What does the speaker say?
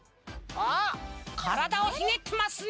あっからだをひねってますね。